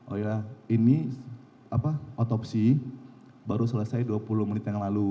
oh ya ini otopsi baru selesai dua puluh menit yang lalu